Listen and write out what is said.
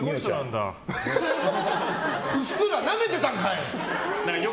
うっすらなめてたんかい！